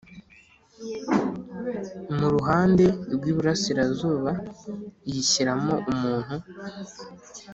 mu ruhande rw’iburasirazuba, iyishyiramo umuntu